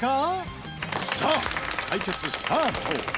さあ対決スタート！